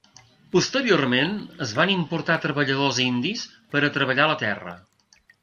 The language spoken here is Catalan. Posteriorment es van importar treballadors indis per a treballar la terra.